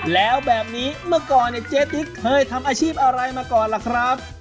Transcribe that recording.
แล้วแบบนี้เมื่อก่อนเนี่ยเจ๊ติ๊กเคยทำอาชีพอะไรมาก่อนล่ะครับ